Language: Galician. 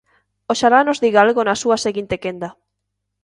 Oxalá nos diga algo na súa seguinte quenda.